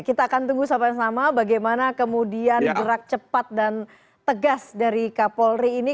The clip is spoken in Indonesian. kita akan tunggu sama sama bagaimana kemudian gerak cepat dan tegas dari kapolri ini